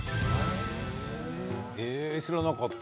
知らなかった。